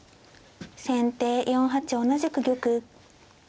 先手４八同じく玉。